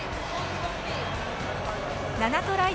７トライ